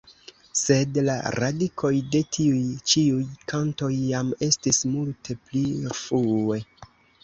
Sed la radikoj de tiuj ĉiuj kantoj jam estis multe pli rfue.